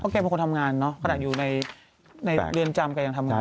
แกเป็นคนทำงานเนอะขนาดอยู่ในเรือนจำแกยังทำงาน